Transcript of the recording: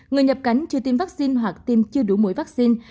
người nhập cánh chưa tiêm vaccine hoặc tiêm chưa đủ mũi vaccine